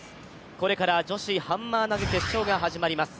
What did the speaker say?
これから女子ハンマー投決勝が始まります。